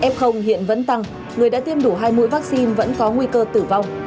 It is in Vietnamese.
f hiện vẫn tăng người đã tiêm đủ hai mũi vaccine vẫn có nguy cơ tử vong